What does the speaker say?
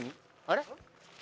あれ。